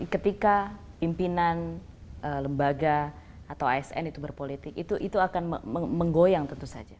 ketika pimpinan lembaga atau asn itu berpolitik itu akan menggoyang tentu saja